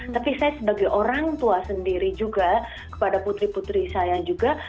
tapi saya sebagai orang tua sendiri juga kepada putri putri saya juga